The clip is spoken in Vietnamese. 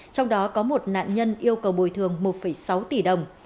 trong đó có một nạn nhân yêu cầu bồi thường một sáu tỷ đồng